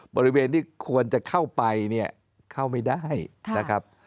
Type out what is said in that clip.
บริเวณที่ควรจะเข้าไปเนี่ยเข้าไม่ได้นะครับ